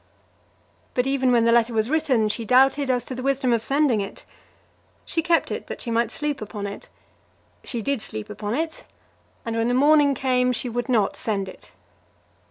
But even when the letter was written she doubted as to the wisdom of sending it. She kept it that she might sleep upon it. She did sleep upon it, and when the morning came she would not send it.